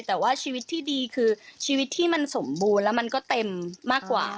แต่ว่าชีวิตที่ดีคือชีวิตที่มันสมบูรณ์แล้วมันก็เต็มมากกว่า